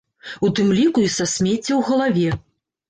У тым ліку і са смецця ў галаве.